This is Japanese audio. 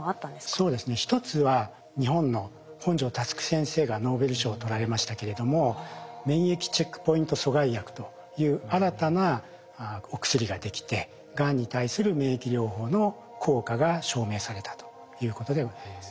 そうですね一つは日本の本庶佑先生がノーベル賞を取られましたけれども免疫チェックポイント阻害薬という新たなお薬ができてがんに対する免疫療法の効果が証明されたということでございます。